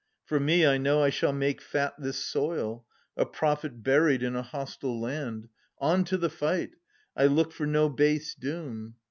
For me, I know I shall make fat this soil, A prophet buried in a hostile land. On to the fight ! I look for no base doom.'